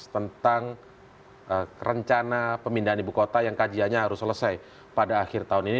tentang rencana pemindahan ibu kota yang kajiannya harus selesai pada akhir tahun ini